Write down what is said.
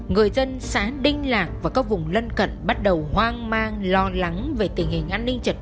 người dân xã đinh lạc và các vùng lân cận bắt đầu hoang mang lo lắng về tình hình an ninh trật tự